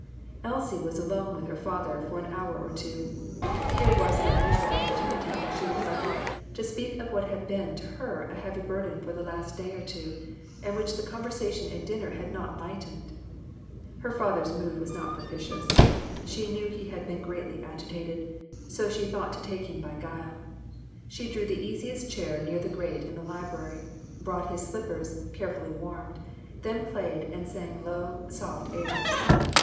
Elsie was alone with her father for an hour or two. Here was an unusual opportunity, she reflected, to speak of what had been to her a heavy burden for the last day or two, and which the conversation at dinner had not lightened. Her father's mood was not propitious. She knew he had been greatly agitated, so she thought to take him by guile. She drew the easiest chair near the grate in the library, brought his slippers carefully warmed, then played and sang low, soft airs.